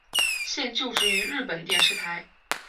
现就职于日本电视台。